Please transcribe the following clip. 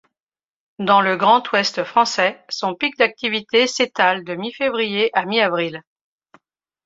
Dans le Grand Ouest français, son pic d'activité s'étale de mi-février à mi-avril.